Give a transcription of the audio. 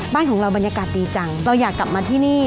บ้านของเราบรรยากาศดีจังเราอยากกลับมาที่นี่